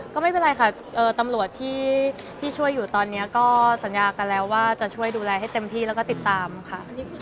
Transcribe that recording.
ก็ไม่เป็นไรค่ะตำรวจที่ช่วยอยู่ตอนนี้ก็สัญญากันแล้วว่าจะช่วยดูแลให้เต็มที่แล้วก็ติดตามค่ะ